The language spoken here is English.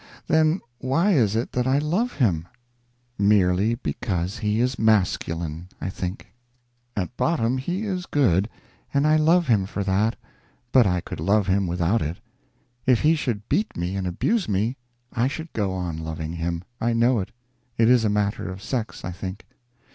Then why is it that I love him? Merely because he is masculine, I think. At bottom he is good, and I love him for that, but I could love him without it. If he should beat me and abuse me, I should go on loving him. I know it. It is a matter of sex, I think.